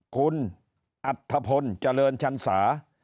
คุณอัธพลเจริญชันสา